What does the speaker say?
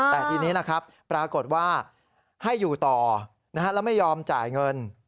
แต่ทีนี้นะครับปรากฏว่าให้อยู่ต่อแล้วไม่ยอมจ่ายเงิน